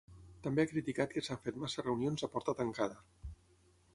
També ha criticat que s’han fet massa reunions a porta tancada.